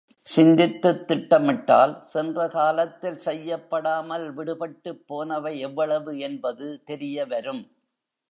சிந்தித்துத் திட்டமிட்டால் சென்ற காலத்தில் செய்யப்படாமல் விடுபட்டுப் போனவை எவ்வளவு என்பது தெரியவரும்.